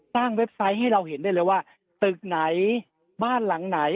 เว็บไซต์ให้เราเห็นได้เลยว่าตึกไหนบ้านหลังไหน